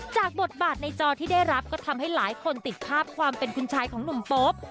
บทบาทในจอที่ได้รับก็ทำให้หลายคนติดภาพความเป็นคุณชายของหนุ่มโป๊ป